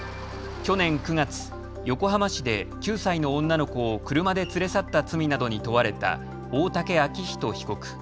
去年９月、横浜市で９歳の女の子を車で連れ去った罪などに問われた大竹晃史被告。